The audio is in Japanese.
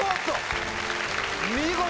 見事！